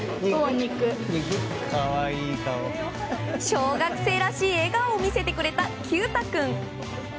小学生らしい笑顔を見せてくれた毬太君。